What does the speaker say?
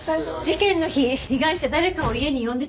事件の日被害者誰かを家に呼んでたわ。